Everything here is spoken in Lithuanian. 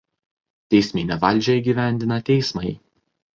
Teisminę valdžią įgyvendina teismai.